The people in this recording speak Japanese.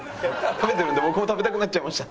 食べてるんで僕も食べたくなっちゃいました。